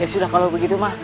ya sudah kalau begitu mah